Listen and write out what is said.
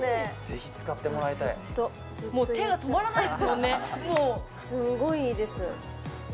ぜひ使ってもらいたいすんごいいいです